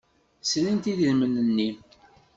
Srint idrimen-nni.